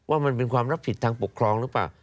ว่ามันเป็นความรับผิดทางปกครองหรือเปล่า